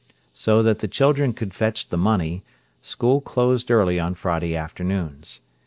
So that the children could fetch the money, school closed early on Friday afternoons.